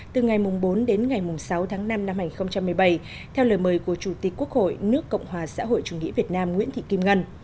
từ ngày bốn đến ngày sáu tháng năm năm hai nghìn một mươi bảy theo lời mời của chủ tịch quốc hội nước cộng hòa xã hội chủ nghĩa việt nam nguyễn thị kim ngân